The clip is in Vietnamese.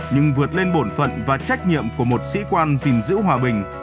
nhưng vượt lên bổn phận và trách nhiệm của một sĩ quan gìn giữ hòa bình